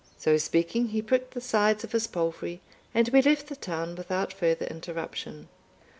So speaking, he pricked the sides of his palfrey, and we left the town without farther interruption.